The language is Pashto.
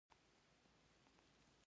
راته ویې ویل جهاني صاحب کابل ته رهي شوی.